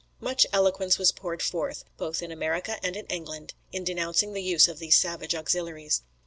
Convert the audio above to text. Much eloquence was poured forth, both in America and in England, in denouncing the use of these savage auxiliaries.